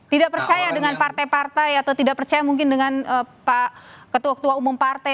tidak percaya dengan partai partai atau tidak percaya mungkin dengan pak ketua ketua umum partai